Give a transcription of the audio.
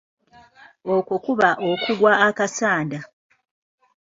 Okwo kuba okugwa akasanda.